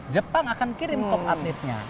jepang akan kirim top atletnya